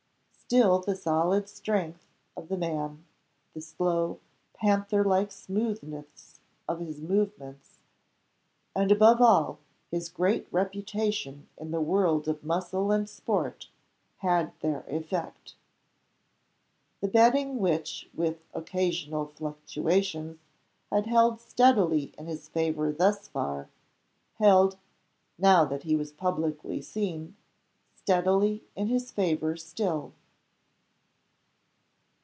Still the solid strength of the man, the slow, panther like smoothness of his movements and, above all, his great reputation in the world of muscle and sport had their effect. The betting which, with occasional fluctuations, had held steadily in his favor thus far, held, now that he was publicly seen, steadily in his favor still.